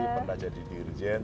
pernah jadi dirjen